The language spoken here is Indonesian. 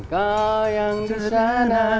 kau yang kesana